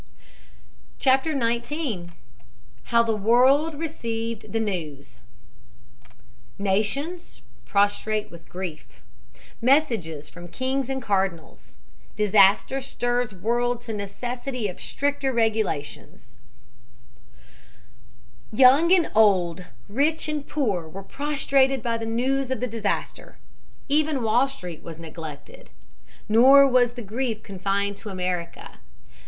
CHAPTER XIX. HOW THE WORLD RECEIVED THE NEWS NATIONS PROSTRATE WITH GRIEF MESSAGES FROM KINGS AND CARDINALS DISASTER STIRS WORLD TO NECESSITY OF STRICTER REGULATIONS YOUNG and old, rich and poor were prostrated by the news of the disaster. Even Wall Street was neglected. Nor was the grief confined to America.